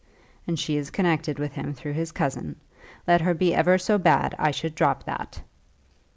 "And she is connected with him through his cousin. Let her be ever so bad, I should drop that."